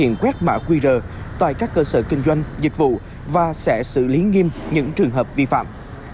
cảnh sát khu vực thực hiện quét mã qr tại các cơ sở kinh doanh dịch vụ và sẽ xử lý nghiêm những trường hợp vi phạm